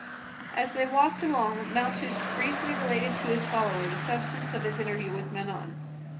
As they walked along Malchus briefly related to his follower the substance of his interview with Manon.